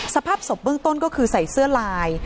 สภาพศพเบื้องต้นก็คือใส่เสื้อลาย